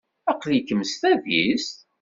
Aql-ikem s tadist?